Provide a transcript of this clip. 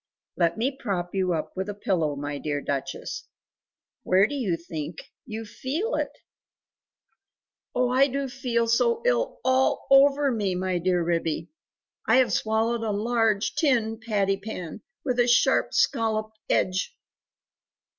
"Let me prop you up with a pillow, my dear Duchess; where do you think you feel it?" "Oh I do feel so ill ALL OVER me, my dear Ribby; I have swallowed a large tin patty pan with a sharp scalloped edge!"